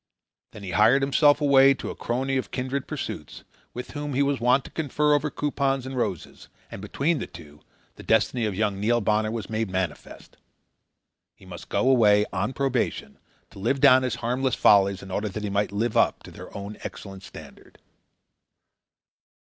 Then he hied himself away to a crony of kindred pursuits, with whom he was wont to confer over coupons and roses, and between the two the destiny of young Neil Bonner was made manifest. He must go away, on probation, to live down his harmless follies in order that he might live up to their own excellent standard.